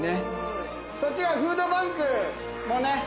そっちはフードバンクもね